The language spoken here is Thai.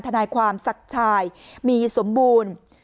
ทนายความศักดิ์ชายมีสมบูรณ์